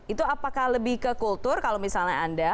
itu apakah lebih ke kultur kalau misalnya anda